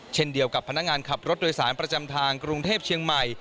เช่นเดียวกับพนักงานขับรถโดยสารประจำทางกรุงเทพเชียงใหม่